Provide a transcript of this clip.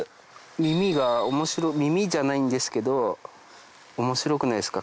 耳が耳じゃないんですけど面白くないですか？